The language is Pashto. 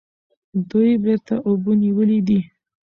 دوی بیرته اوبه نیولې دي.